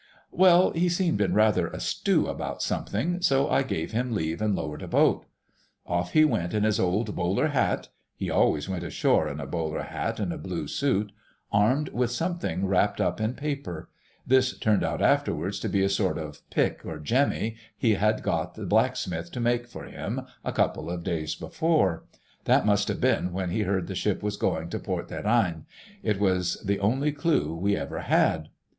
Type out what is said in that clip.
"Well, he seemed in rather a stew about something, so I gave him leave and lowered a boat. Off he went in his old bowler hat (he always went ashore in a bowler hat and a blue suit) armed with something wrapped up in paper; this turned out afterwards to be a sort of pick or jemmy he had got the blacksmith to make for him a couple of days before; that must have been when he heard the ship was going to Port des Reines; it was the only clue we ever had.